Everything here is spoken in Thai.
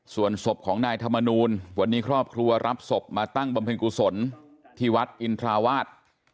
ส่วนศพของนายธรรมนูลวันนี้ครอบครัวรับศพมาตั้งบำเพ็ญกุศลที่วัดอินทราวาส